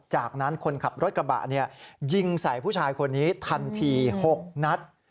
จากนั้นคนขับรถกระบะยิงใส่ผู้ชายคนนี้ทันที๖นัด